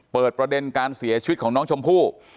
ประเด็นการเสียชีวิตของน้องชมพู่